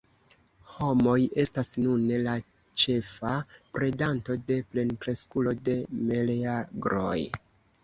Homoj estas nune la ĉefa predanto de plenkreskulo de meleagroj.